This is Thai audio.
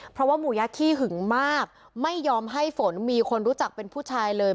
เพราะว่าหมู่ยะขี้หึงมากไม่ยอมให้ฝนมีคนรู้จักเป็นผู้ชายเลย